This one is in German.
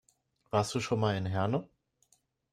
Warst du schon mal in Herne?